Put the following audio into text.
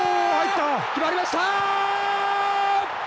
決まりました。